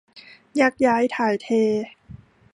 ยักย้ายถ่ายเท